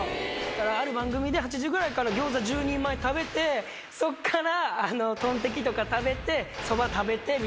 ある番組で８時ぐらいから餃子１０人前食べてそこからトンテキとか食べてそば食べてみたいな。